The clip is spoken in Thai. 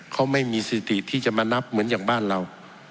เขาไม่มีสิทธิที่จะมานับเหมือนอย่างบ้านเรา